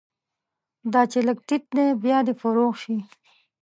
دا چې لږ تت دی، بیا دې فروغ شي